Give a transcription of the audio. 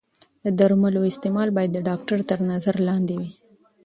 د درملو استعمال باید د ډاکتر تر نظر لاندې وي.